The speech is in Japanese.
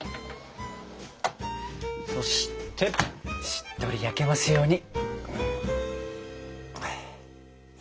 そしてしっとり焼けますように。